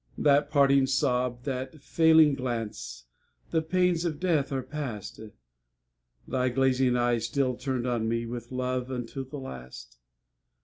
That parting sob, that failing glance The pains of death are past! Thy glazing eyes still turned on me With love unto the last!